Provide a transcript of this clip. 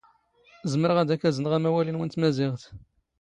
ⵣⵎⵔⵖ ⴰⴷ ⴰⴽ ⴰⵣⵏⵖ ⴰⵎⴰⵡⴰⵍ ⵉⵏⵓ ⵏ ⵜⵎⴰⵣⵉⵖⵜ.